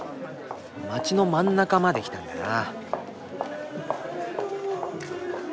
街の真ん中まで来たんだな。